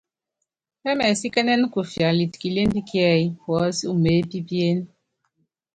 Pɛ́mɛsíkɛ́nɛ́nɛ kufialitɛ kilémbi kíɛ́yí puɔ́si umeépípíéne.